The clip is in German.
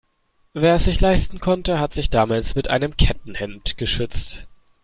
Wer es sich leisten konnte, hat sich damals mit einem Kettenhemd geschützt.